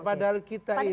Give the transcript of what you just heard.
padahal kita ini